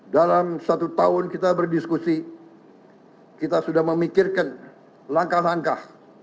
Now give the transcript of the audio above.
dalam satu tahun kita berdiskusi kita sudah memikirkan langkah langkah